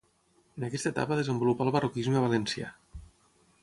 En aquesta etapa desenvolupà el barroquisme valencià.